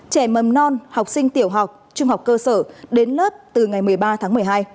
trẻ mầm non học sinh tiểu học trung học cơ sở đến lớp từ ngày một mươi ba tháng một mươi hai